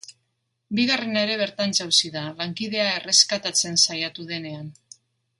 Bigarrena ere bertan jausi da, lankidea erreskatatzen saiatu denean.